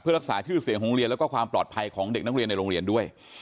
รักษาชื่อเสียงของโรงเรียนแล้วก็ความปลอดภัยของเด็กนักเรียนในโรงเรียนด้วย